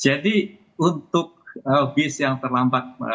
ya jadi untuk bus yang terlambat masuk ke terminal